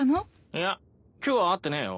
いや今日は会ってねえよ。